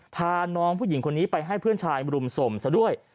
พาน้องผู้หญิงคนนี้ไปให้เพื่อนชายมารุมสมซะด้วย